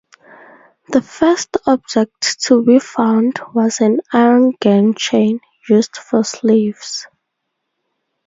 The first object to be found was an iron gang chain, used for slaves.